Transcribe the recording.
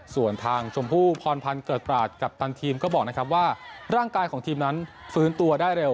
ส่วนทางชมพู่พรพันธ์เกิดตราดกัปตันทีมก็บอกนะครับว่าร่างกายของทีมนั้นฟื้นตัวได้เร็ว